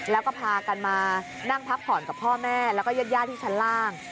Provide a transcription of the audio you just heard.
แล้วก็พากันมานั่งพักผ่อนกับพ่อแม่แล้วก็ญาติที่ชั้นล่าง